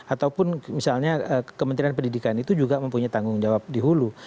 ataupun misalnya kementerian pendidikan itu juga mempunyai tanggung jawab di hulu